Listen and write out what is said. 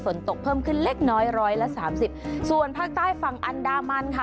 ฝนตกเพิ่มขึ้นเล็กน้อยร้อยละสามสิบส่วนภาคใต้ฝั่งอันดามันค่ะ